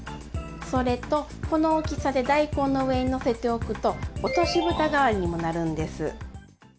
それとこの大きさで大根の上にのせておくと落としぶた代わりにもなるんです！